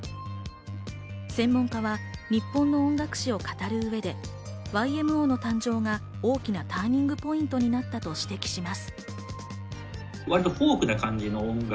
専門家は日本の音楽史を語る上で、ＹＭＯの誕生が大きなターニングポイントになったと指摘します。